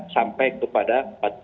sampai itu pada